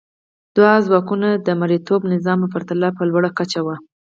دا ځواکونه د مرئیتوب نظام په پرتله په لوړه کچه وو.